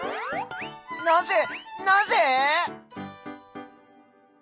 なぜなぜ！？